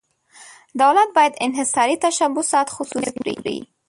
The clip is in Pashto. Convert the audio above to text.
دولت باید انحصاري تشبثات خصوصي نه کړي.